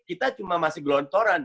kita cuma masih gelontoran